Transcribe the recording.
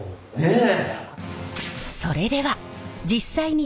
ええ。